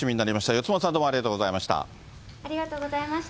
四元さん、どうもありがとうございました。